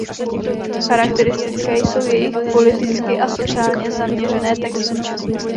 Charakteristické jsou jejich politicky a sociálně zaměřené texty.